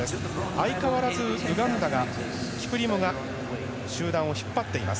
相変わらずウガンダ、キプリモが集団を引っ張っています。